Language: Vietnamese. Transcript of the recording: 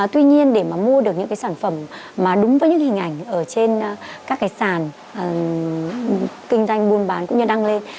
tuy nhiên để mà mua được những cái sản phẩm mà đúng với những hình ảnh ở trên các cái sàn kinh doanh buôn bán cũng như đăng lên